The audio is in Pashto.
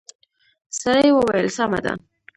سړي وويل سمه ده.